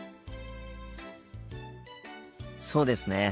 そうですね。